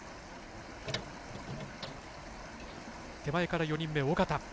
手前から４人目、小方。